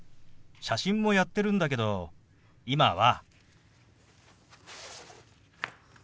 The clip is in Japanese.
写真もやってるんだけど今は。